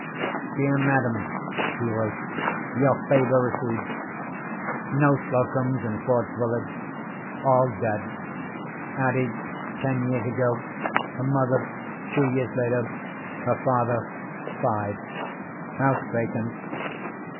"Dear madam," he wrote, "your favour rec'ed. No Slocums in Ford's Village. All dead. Addie ten years ago, her mother two years later, her father five. House vacant.